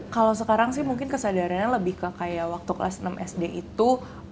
kalau sekarang sih mungkin kesadarannya lebih ke kayak waktu kelas enam sd itu